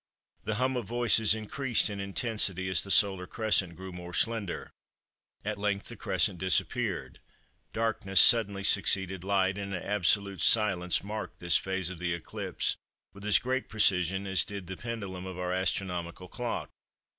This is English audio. The hum of voices increased in intensity as the solar crescent grew more slender; at length the crescent disappeared, darkness suddenly succeeded light, and an absolute silence marked this phase of the eclipse with as great precision as did the pendulum of our astronomical clock.